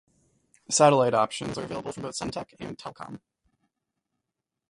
Satellite options are available from both Sentech and Telkom.